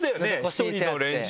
１人の練習。